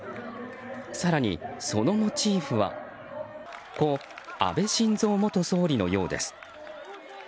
更に、そのモチーフは故・安倍晋三元総理のようです。